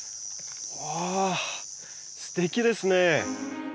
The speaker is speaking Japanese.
わあすてきですね！